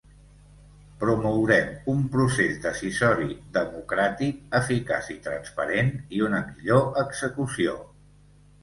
Promourem un procés decisori democràtic, eficaç i transparent i una millor execució.